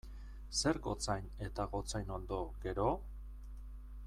Zer gotzain eta gotzainondo, gero?